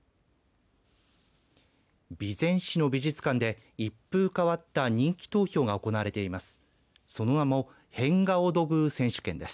備前市の美術館で一風変わった人気投票が行われています。